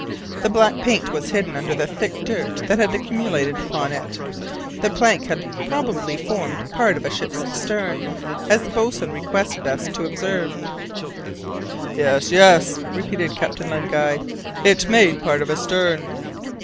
The black paint was hidden under the thick dirt that had accumulated upon it. The plank had probably formed part of a ship's stern, as the boatswain requested us to observe. "Yes, yes," repeated Captain Len Guy, "it made part of a stern."